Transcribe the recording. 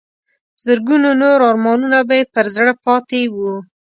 زرګونو نور ارمانونه به یې پر زړه پاتې وو.